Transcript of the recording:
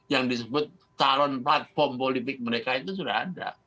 yang disebut calon platform politik mereka itu sudah ada